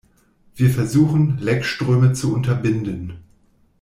Wir versuchen, Leckströme zu unterbinden.